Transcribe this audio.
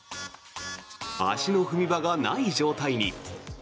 足の踏み場がない状態に。